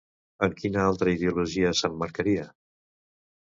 En quina ideologia s'emmarcaria?